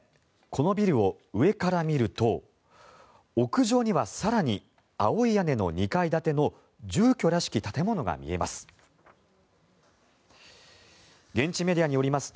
このビルを上から見ると屋上には更に青い屋根の２階建ての住居らしき建物が見えます。